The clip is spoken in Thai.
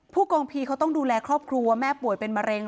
กองพีเขาต้องดูแลครอบครัวแม่ป่วยเป็นมะเร็ง